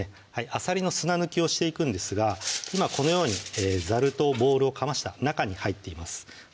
あさりの砂抜きをしていくんですが今このようにざるとボウルをかました中に入っています